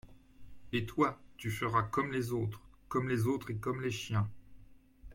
Et toi, tu feras comme les autres : comme les autres et comme les chiens.